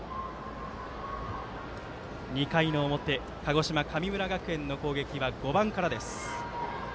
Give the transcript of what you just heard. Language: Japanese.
２回の表鹿児島、神村学園の攻撃は５番からです。